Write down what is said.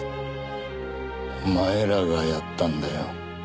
お前らがやったんだよ。